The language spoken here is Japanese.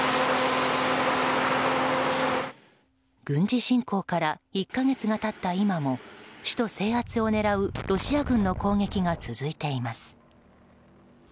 軍事侵攻から１か月が経った今も首都制圧を狙うロシア軍の攻撃が続いています。